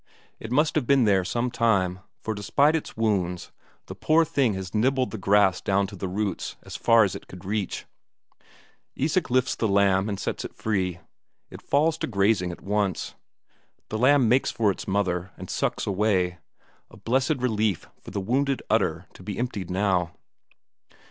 It must have been there some time, for, despite its wounds, the poor thing has nibbled the grass down to the roots as far as it could reach. Isak lifts the sheep and sets it free; it falls to grazing at once. The lamb makes for its mother and sucks away a blessed relief for the wounded udder to be emptied now.